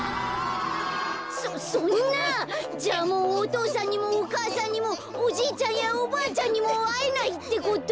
そそんなじゃあもうお父さんにもお母さんにもおじいちゃんやおばあちゃんにもあえないってこと？